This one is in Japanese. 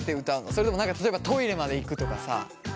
それとも例えばトイレまで行くとかさ。